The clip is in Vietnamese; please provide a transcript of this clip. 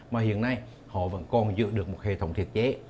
mà hiện nay họ vẫn còn giữ được một hệ thống thiệt chế